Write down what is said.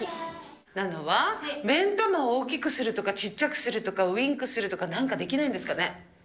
ナナは目ん玉大きくするとかちっちゃくするとか、ウィンクするとかなんかできないんですかね？